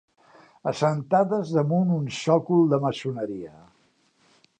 Assentades damunt un sòcol de maçoneria.